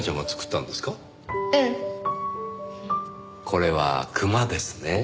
これはクマですね。